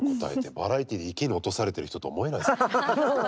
バラエティーで池に落とされてる人とは思えないですね。